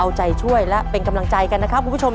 เอาใจช่วยและเป็นกำลังใจกันนะครับคุณผู้ชม